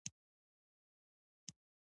د صادراتو نه شتون پنځم لامل دی.